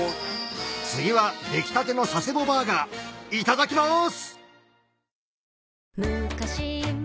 次は出来たての佐世保バーガーいただきます！